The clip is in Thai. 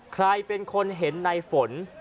ใครเป็นคนเห็นในฝน